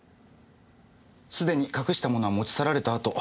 すでに隠したものは持ち去られたあと。